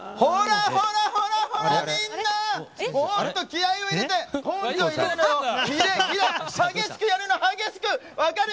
ほらほらほら、みんな、もっと気合いを入れて、根性を入れるのよ、激しくやるの、激しく、分かる？